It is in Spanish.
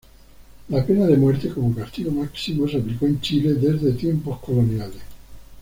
La pena de muerte como castigo máximo se aplicó en Chile desde tiempos coloniales.